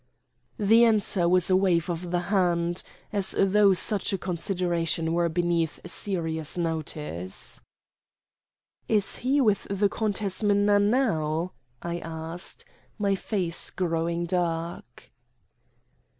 The answer was a wave of the hand, as though such a consideration were beneath serious notice. "Is he with the Countess Minna now?" I asked, my face growing dark.